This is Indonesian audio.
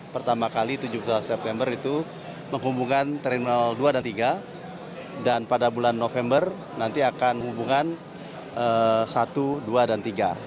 pertama kali tujuh belas september itu menghubungkan terminal dua dan tiga dan pada bulan november nanti akan hubungan satu dua dan tiga